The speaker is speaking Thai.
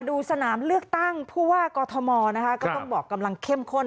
ดูสนามเลือกตั้งผู้ว่ากอทมนะคะก็ต้องบอกกำลังเข้มข้น